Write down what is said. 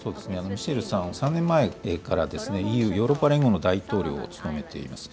ミシェルさん、３年前からＥＵ・ヨーロッパ連合の大統領を務めています。